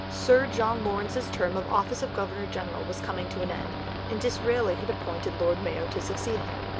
Sir John Lawrence's term of office of Governor General was coming to an end, and Disraeli had appointed Lord Mayo to succeed him.